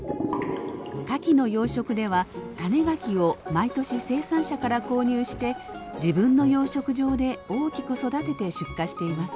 カキの養殖では種ガキを毎年生産者から購入して自分の養殖場で大きく育てて出荷しています。